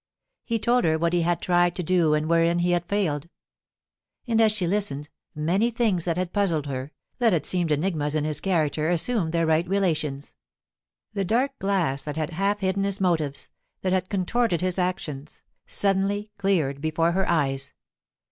He told her what he had tried to do and wherein he had failed. And as she listened, many things that had puzzled her, that had seemed enigmas in his character, assumed their right relations. The dark glass that had half hidden his motives, that had contorted his actions, suddenly cleared before her eyes.